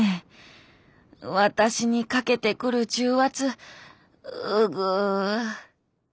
私にかけてくる重圧うぐ。